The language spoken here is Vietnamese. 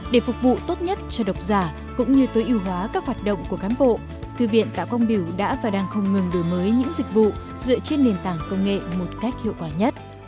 để phục vụ tốt nhất cho độc giả cũng như tối ưu hóa các hoạt động của cán bộ thư viện tạ quang biểu đã và đang không ngừng đổi mới những dịch vụ dựa trên nền tảng công nghệ một cách hiệu quả nhất